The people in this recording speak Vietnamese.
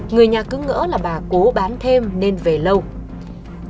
người nhà cứng ngỡ là bà cố bán thêm nên về nh shopping kỹ thuật một lúc cũng dễ nhận